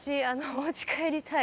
「おうち帰りたい」